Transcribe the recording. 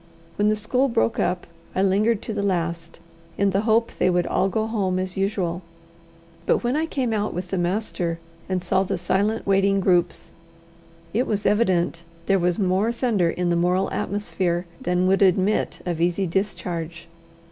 When the school broke up, I lingered to the last, in the hope they would all go home as usual; but when I came out with the master, and saw the silent waiting groups, it was evident there was more thunder in the moral atmosphere than would admit of easy discharge.